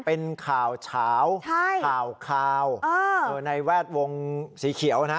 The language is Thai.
เป็นข่าวเฉาข่าวในแวดวงสีเขียวนะ